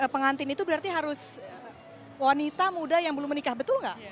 pengantin itu berarti harus wanita muda yang belum menikah betul nggak